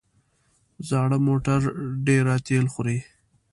زاړه موټر ډېره تېل خوري.